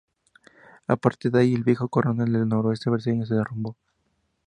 A partir de allí, el viejo "coronel" del nordeste brasileño, se derrumbó.